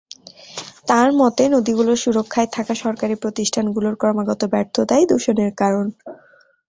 তাঁর মতে, নদীগুলোর সুরক্ষায় থাকা সরকারি প্রতিষ্ঠানগুলোর ক্রমাগত ব্যর্থতাই দূষণের কারণ।